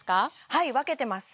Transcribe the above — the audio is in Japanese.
はい分けてます